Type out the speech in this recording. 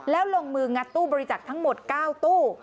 แล้วลงมืองัดตู้บริจักษ์ทั้งหมด๙ตู้